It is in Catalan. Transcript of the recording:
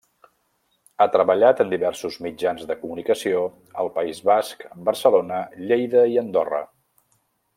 Ha treballat en diversos mitjans de comunicació al País Basc, Barcelona, Lleida i Andorra.